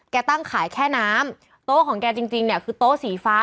แกตั้งขายแค่น้ำโต๊ะของแกจริงเนี่ย